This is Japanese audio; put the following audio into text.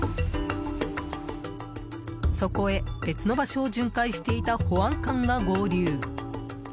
そこへ、別の場所を巡回していた保安官が合流。